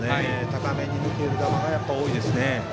高めに抜ける球が多いですね。